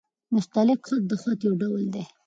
نستعلیق خط؛ د خط يو ډول دﺉ.